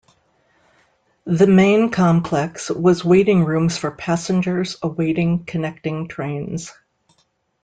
The main complex has waiting rooms for passengers awaiting connecting trains.